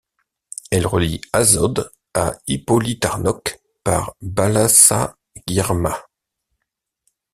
Elle relie Aszód à Ipolytarnóc par Balassagyarmat.